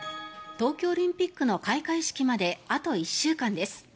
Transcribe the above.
東京オリンピックの開会式まであと１週間です。